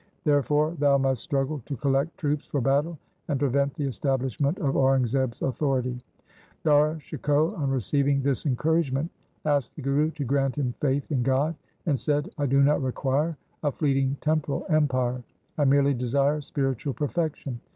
Therefore thou must struggle to collect troops for battle and prevent the establishment of Aurangzeb's authority ' Dara Shikoh on receiving this encouragement asked the Guru to grant him faith in God, and said, ' I do not require a fleeting temporal empire. I merely desire spiritual perfection.